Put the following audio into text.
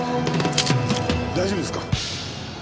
大丈夫ですか？